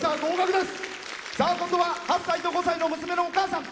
今度は８歳と５歳の娘のお母さん。